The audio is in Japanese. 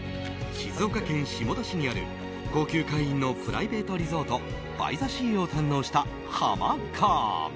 静岡県下田市にある高級会員のプライベートリゾートバイザシーを堪能したハマカーン。